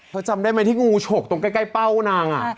จำได้ไหมที่งูฉกตรงใกล้เป้านาง